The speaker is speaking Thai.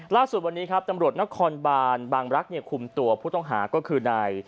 ล่าสุดวันนี้ครับตำรวจนครบานบางรักษ์คุมตัวผู้ต้องหาก็คือนาย